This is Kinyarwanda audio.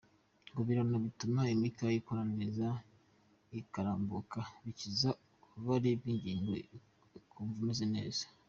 Guhoberana bituma imikaya ikora neza ikarambuka, bikiza ububabare bw’ingingo ukumva umeze neza.